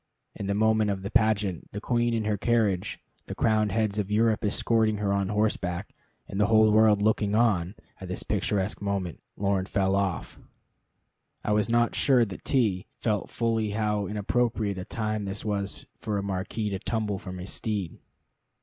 In the middle of the pageant, the Queen in her carriage, the crowned heads of Europe escorting her on horseback, and the whole world looking on at this picturesque moment, Lorne fell off. I was not sure that T felt fully how inappropriate a time this was for a marquis to tumble from his steed.